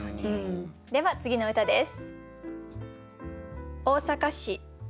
では次の歌です。